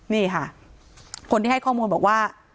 นี่ค่ะคนที่ให้ข้อมูลบอกว่า